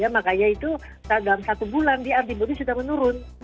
ya makanya itu dalam satu bulan antibody sudah menurun